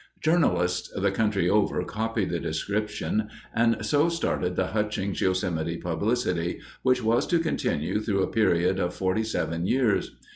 Journalists the country over copied the description, and so started the Hutchings Yosemite publicity, which was to continue through a period of forty seven years.